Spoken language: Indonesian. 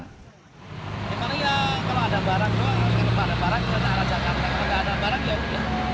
kalau tidak ada barang ya boleh